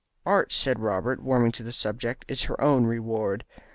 "Art," said Robert, warming to the subject, "is her own reward.